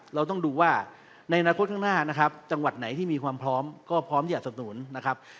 เราต้องดูว่าในอนาคตข้างหน้านะครับจังหวัดไหนที่มีความพร้อมก็พร้อมที่จะสนุนนะครับ